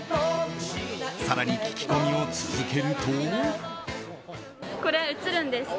更に、聞き込みを続けると。